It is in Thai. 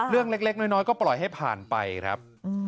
เรื่องเล็กน้อยก็ปล่อยให้ผ่านไปครับ